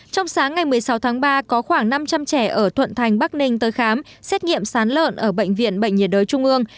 trong sáng ngày một mươi sáu tháng ba có khoảng năm trăm linh trẻ ở thuận thành bắc ninh tới khám xét nghiệm sán lợn ở bệnh viện bệnh nhiệt đới trung ương